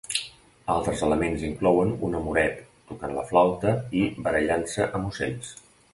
Altres elements inclouen un amoret tocant la flauta i barallant-se amb ocells.